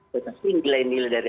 tetapi nilai nilai dari